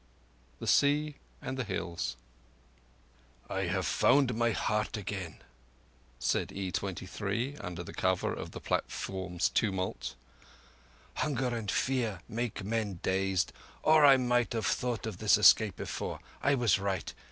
The Sea and the Hills. "I have found my heart again," said E23, under cover of the platform's tumult. "Hunger and fear make men dazed, or I might have thought of this escape before. I was right.